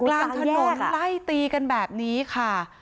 กลางถนนไล่ตีกันแบบนี้ค่ะ